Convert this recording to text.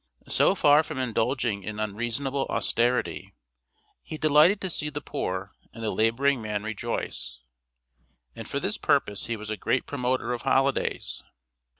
So far from indulging in unreasonable austerity, he delighted to see the poor and the laboring man rejoice; and for this purpose he was a great promoter of holidays.